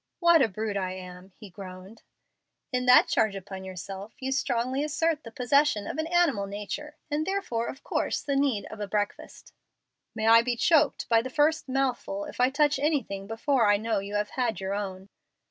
"What a brute I am!" he groaned. "In that charge upon yourself you strongly assert the possession of an animal nature, and therefore of course the need of a breakfast." "May I be choked by the first mouthful if I touch anything before I know you have had your own."